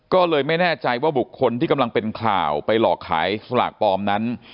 ก็เลยไม่แน่ใจว่าบุคคลที่กำลังเป็นข่าวไปหลอกขายสลากปลอมนั้น